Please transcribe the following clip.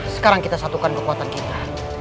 sekarang kita satukan kekuatan kita